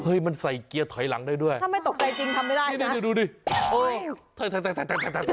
เฮ้ยมันใส่เกียร์ถอยหลังได้ด้วยนะครับถ้าไม่ตกใจจริงทำไม่ได้